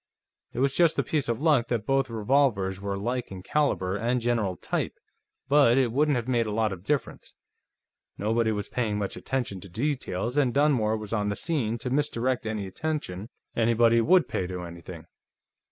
It was just a piece of luck that both revolvers were alike in caliber and general type, but it wouldn't have made a lot of difference. Nobody was paying much attention to details, and Dunmore was on the scene to misdirect any attention anybody would pay to anything.